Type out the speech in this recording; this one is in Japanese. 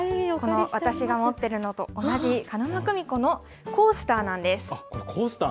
私が持っているのと同じ鹿沼組子のコースターなんです。